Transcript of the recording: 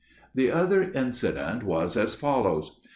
"The other incident was as follows.